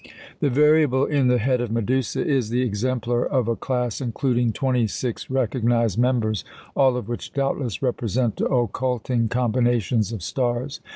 The variable in the Head of Medusa is the exemplar of a class including 26 recognised members, all of which doubtless represent occulting combinations of stars.